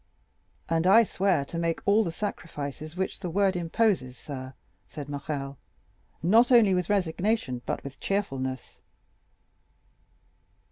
"And I swear to make all the sacrifices which this word imposes, sir," said Morrel, "not only with resignation, but with cheerfulness."